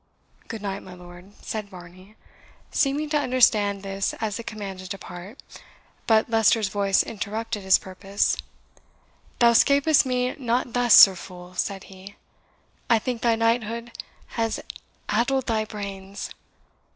"Good night, my lord," said Varney, seeming to understand this as a command to depart; but Leicester's voice interrupted his purpose. "Thou 'scapest me not thus, Sir Fool," said he; "I think thy knighthood has addled thy brains.